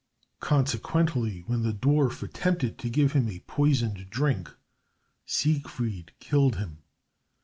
Consequently, when the dwarf attempted to give him a poisoned drink, Siegfried killed him.